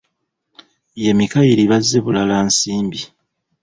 Ye Mikayiri Bazzebulala Nsimbi.